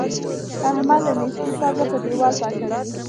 احمد له نېستۍ پزه په دېوال پاکوي.